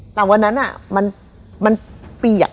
แต่วันนั้นมันเปียก